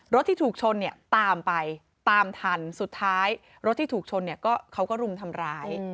รถที่ถูกชนตามไปตามถันสุดท้ายรถที่ถูกชนเขาก็รุมทำร้าย